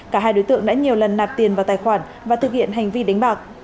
cả hai đối tượng đã nhiều lần nạp tiền vào tài khoản và thực hiện hành vi đánh bạc